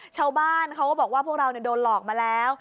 ชาวบ้านเขาก็บอกว่าพวกเราโดนหลอกมาแล้ว